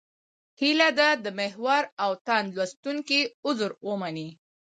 هیله ده د محور او تاند لوستونکي عذر ومني.